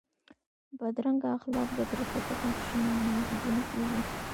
بدرنګه اخلاق د کرکې تخم شندونکي وي